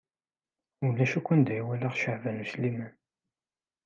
Ulac akk anda i walaɣ Caɛban U Sliman.